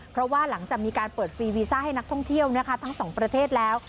เพราะว่าหลังจากมีการเปิดฟรีวีซ่าให้นักท่องเที่ยวนะคะทั้งสองประเทศแล้ว